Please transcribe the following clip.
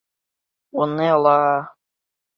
— Уны ла...